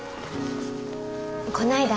こないだ